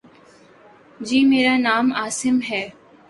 جی، میرا نام عاصم ہے